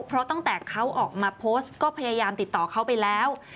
เพราะตั้งแต่เขาออกมาโพสต์ก็พยายามติดต่อเขาไปแล้ว